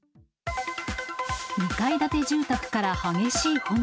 ２階建て住宅から激しい炎。